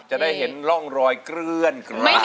จะได้เห็นร่องรอยเกลือน